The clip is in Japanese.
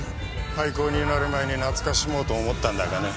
廃校になる前に懐かしもうと思ったんだがね。